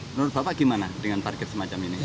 menurut bapak gimana dengan parkir semacam ini